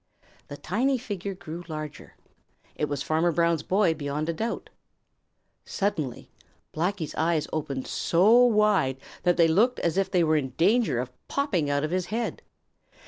The tiny figure grew larger. It was Farmer Brown's boy beyond a doubt. Suddenly Blacky's eyes opened so wide that they looked as if they were in danger of popping out of his head.